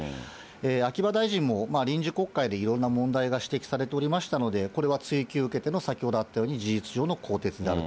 秋葉大臣も臨時国会でいろんな問題が指摘されておりましたので、これは追及受けての、先ほどあったように、事実上の更迭であると。